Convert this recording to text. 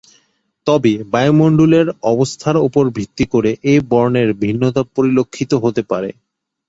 তবে, বায়ুমণ্ডলের অবস্থার উপর ভিত্তি করে এ বর্ণের ভিন্নতা পরিলক্ষিত হতে পারে।